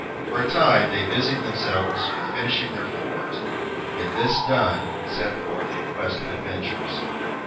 For a time they busied themselves with finishing their fort, and, this done, set forth in quest of adventures.